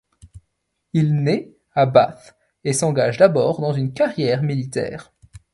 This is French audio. Il naît à Bath et s'engage d'abord dans une carrière militaire.